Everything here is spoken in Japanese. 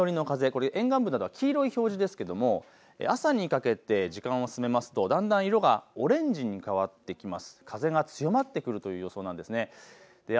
今夜９時の段階で関東、南寄りの風、これ沿岸部など黄色い表示ですけれども朝にかけて時間を進めますとだんだん色がオレンジに変わってきます。